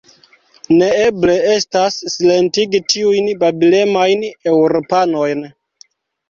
Neeble estas, silentigi tiujn babilemajn Eŭropanojn!